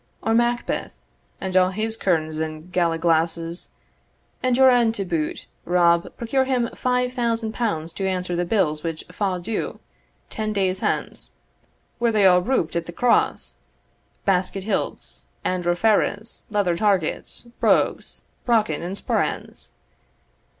or Macbeth, and all his kernes and galla glasses, and your awn to boot, Rob, procure him five thousand pounds to answer the bills which fall due ten days hence, were they a' rouped at the Cross, basket hilts, Andra Ferraras, leather targets, brogues, brochan, and sporrans?"